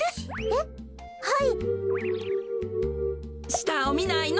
したをみないの。